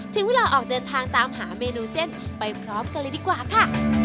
ถึงเวลาออกเดินทางตามหาเมนูเส้นไปพร้อมกันเลยดีกว่าค่ะ